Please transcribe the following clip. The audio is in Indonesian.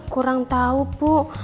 kurang tau bu